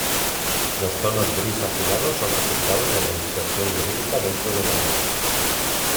Los tonos gris-azulados son resultado de la dispersión lumínica dentro de la nube.